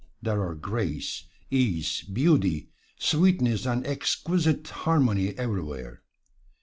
There are grace, ease, beauty, sweetness and exquisite harmony everywhere.